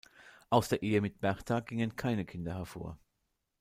Aus der Ehe mit Bertha gingen keine Kinder hervor.